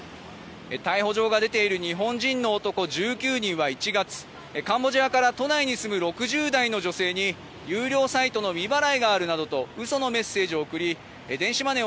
逮捕状が出ている日本人の男１９人は１月、カンボジアから都内に住む６０代の女性に有料サイトの未払いがあるなどと嘘のメッセージを送り電子マネー